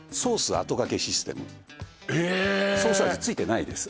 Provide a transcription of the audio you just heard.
あとがけシステムえソース味ついてないです